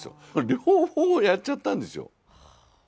両方やっちゃったんですよ。